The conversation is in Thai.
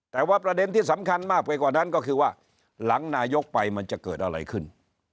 แต่ว่าประเด็นที่สำคัญมากไปกว่านั้นก็คือว่าหลังนายกไปมันจะเกิดอะไรขึ้น